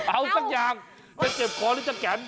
เอาสักอย่างจะเจ็บคอหรือจะแก่น